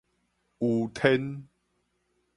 余天